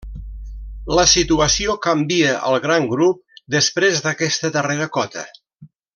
La situació canvia al gran grup després d'aquesta darrera cota.